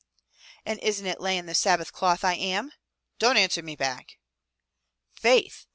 "And isn't it layin' the Sabbath cloth I am?" "Don't answer me back!" "Faith!